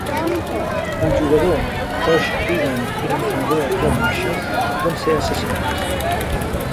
El jugador Josh Deegan i l'entrenador Bob Marshall van ser assassinats.